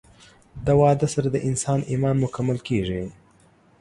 د واده سره د انسان ايمان مکمل کيږي